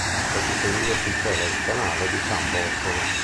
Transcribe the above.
Sotto il pendio si cela il canale di San Bortolo.